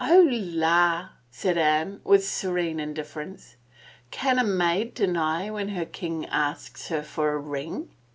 Oh, la !" said Anne, with serene indifference. Can a maid deny when her king asks her ring?